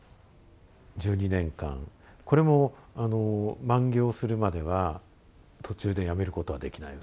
１２年間これも満行するまでは途中でやめることはできない。